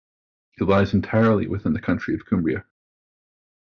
It lies entirely within the county of Cumbria.